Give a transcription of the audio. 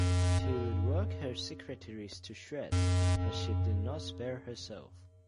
She would work her secretaries to shreds, but she did not spare herself.